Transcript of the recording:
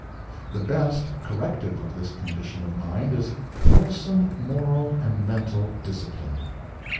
The best corrective of this condition of mind is wholesome moral and mental discipline.